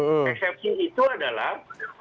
eksepsi itu adalah